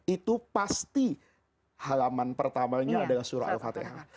itu pasti halaman pertamanya adalah surah al fatihah